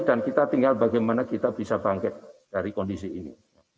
dan bagaimana kita bisa bangkit dari kondisi ini